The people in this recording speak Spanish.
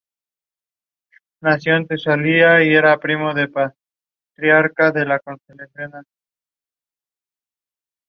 La pulpa, hojas y la corteza tienen aplicaciones medicinales.